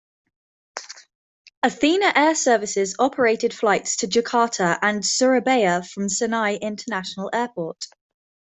Athena Air Services operated flights to Jakarta and Surabaya from Senai International Airport.